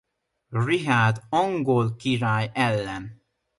Richárd angol király ellen.